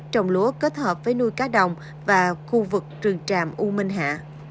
trong lúa kết hợp với nuôi cá đồng và khu vực trường trạm u minh hạ